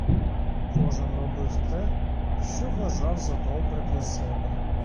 Кожен робив те, що вважав за добре для себе.